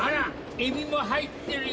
エビも入ってるよ。